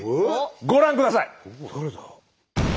ご覧ください！